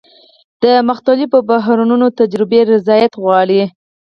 د مختلفو بحرونو تجربې ریاضت غواړي.